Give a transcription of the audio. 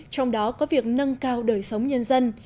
trong đó có việc nâng cao đời sống nhân dân